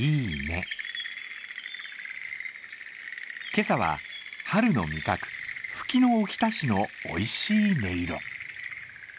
今朝は春の味覚フキのおひたしのおいしい音色。